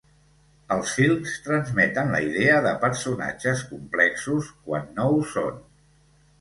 Els films transmeten la idea de personatges complexos quan no ho són.